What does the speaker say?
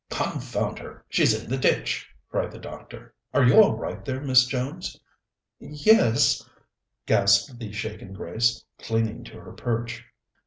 "Confound her! she's in the ditch!" cried the doctor. "Are you all right there, Miss Jones?" "Yes," gasped the shaken Grace, clinging to her perch.